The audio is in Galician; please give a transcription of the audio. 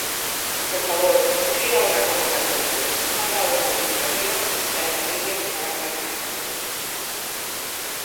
Por favor, escríbao na convocatoria, faga unha modificación e as familias estarán máis tranquilas.